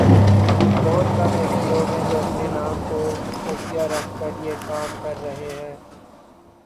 بہت کم ایسے لوگ ہیں جو اپنے نام کو خفیہ رکھ کر یہ کام کررہے ہیں